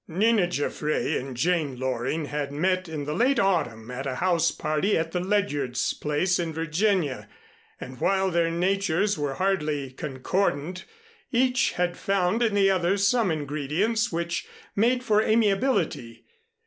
Nina Jaffray and Jane Loring had met in the late autumn at a house party at the Ledyards' place in Virginia, and while their natures were hardly concordant, each had found in the other some ingredients which made for amiability.